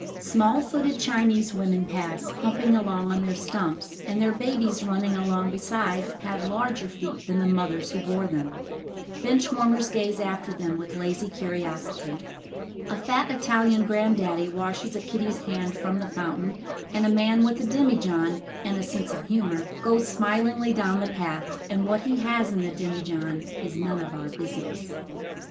Small footed Chinese women pass, humping along on their stumps and their babies running along beside have larger feet than the mothers who bore them, Bench warmers gaze after them with lazy curiosity. A fat Italian granddaddy washes a kiddie's hand from the fountain and a man with a demijohn and a sense of humor goes smilingly down the path and what he has in the demijohn is none of our business.